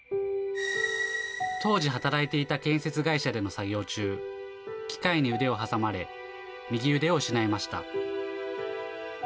当時働いていた建設会社での作業中、機械に腕を挟まれ、右腕を失いました。